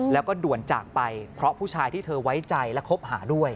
แล้วก็ด่วนจากไปเพราะผู้ชายที่เธอไว้ใจและคบหาด้วย